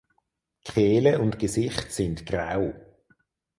Kehle und Gesicht sind grau.